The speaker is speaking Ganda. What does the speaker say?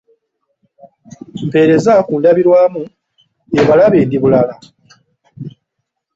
Mpeereza ku ndabirwamu embalabe endi bulala.